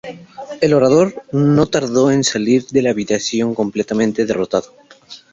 El orador no tardó en salir de la habitación completamente derrotado.